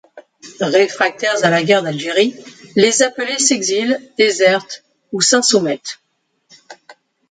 Réfractaires à la guerre d'Algérie, des appelés s'exilent, désertent ou s'insoumettent.